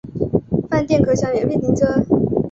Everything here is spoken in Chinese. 饭店可享免费停车